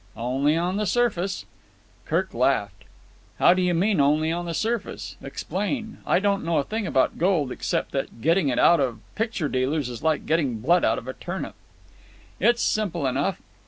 "Only on the surface." Kirk laughed. "How do you mean, only on the surface? Explain. I don't know a thing about gold, except that getting it out of picture dealers is like getting blood out of a turnip." "It's simple enough.